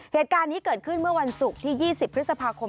เหตุการณ์นี้เกิดขึ้นเมื่อวันศุกร์ที่๒๐พฤษภาคม